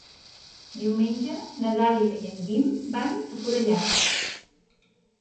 Diumenge na Dàlia i en Guim van a Forallac.